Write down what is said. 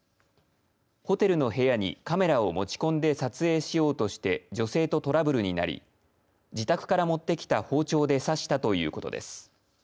ホテルの部屋にカメラを持ち込んで撮影しようとして女性とトラブルになり自宅から持ってきた包丁で刺したということです。